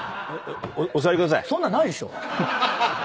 そんなんないでしょ。